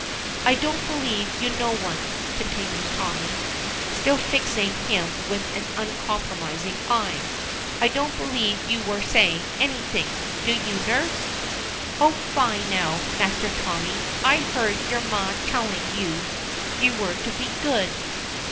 "I don't believe you know one," continues Tommy, still fixing him with an uncompromising eye. "I don't believe you were saying anything. Do you, nurse?" "Oh, fie, now, Master Tommy, and I heard your ma telling you you were to be good."